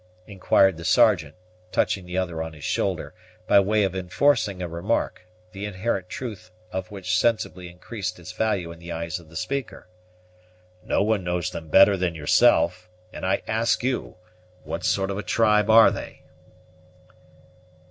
inquired the Sergeant, touching the other on his shoulder, by way of enforcing a remark, the inherent truth of which sensibly increased its value in the eyes of the speaker: "no one knows them better than yourself, and I ask you what sort of a tribe are they?"